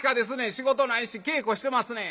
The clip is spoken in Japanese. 仕事ないし稽古してますねん」。